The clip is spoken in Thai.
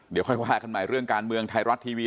เดี๋ยวค่อยว่ากันใหม่เรื่องการเมืองไทยรัฐทีวี